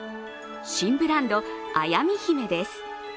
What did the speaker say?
新ブランド、綾美姫です。